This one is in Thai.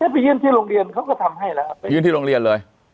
ไปเยี่ยมที่โรงเรียนเขาก็ทำให้แล้วครับไปยื่นที่โรงเรียนเลย